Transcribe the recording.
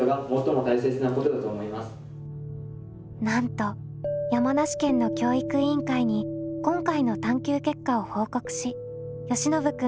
なんと山梨県の教育委員会に今回の探究結果を報告しよしのぶ